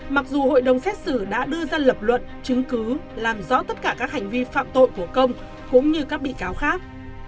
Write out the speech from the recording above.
mặc dù hội đồng xét xử đã đưa ra lập luận chứng cứ làm rõ tất cả các hành vi phạm tội của công cũng như các bị cáo khác